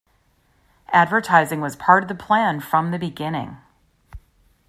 Advertising was part of the plan from the beginning.